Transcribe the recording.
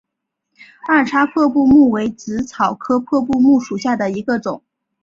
二叉破布木为紫草科破布木属下的一个种。